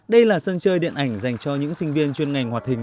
đây là sân chơi điện ảnh dành cho những sinh viên chuyên ngành họa thình